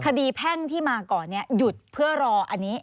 คดีแพ่งที่มาก่อนเนี่ยหยุดเพื่อรออันนี้